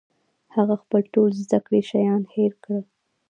هغه خپل ټول زده کړي شیان هېر کړل